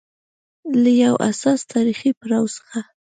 له يو حساس تاریخي پړاو څخه